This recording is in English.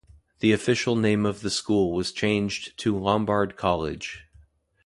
The official name of the school was changed to Lombard College.